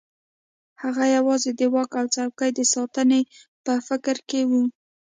هغه یوازې د واک او څوکۍ د ساتنې په فکر کې وو.